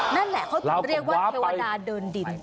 นั่นแหละเขาถึงเรียกว่าเทวดาเดินดิน